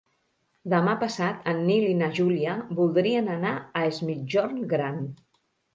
Demà passat en Nil i na Júlia voldrien anar a Es Migjorn Gran.